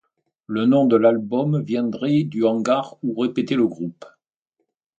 Le nom de l'album viendrait du hangar où répétait le groupe.